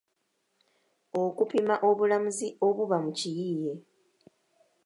Okupima obulamuzi obuba mu kiyiiye